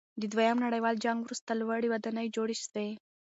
د دویم نړیوال جنګ وروسته لوړې ودانۍ جوړې سوې.